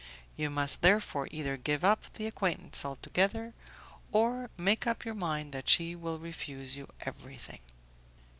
You must therefore either give up the acquaintance altogether, or make up your mind that she will refuse you everything."